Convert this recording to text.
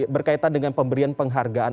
berkaitan dengan pemberian penghargaan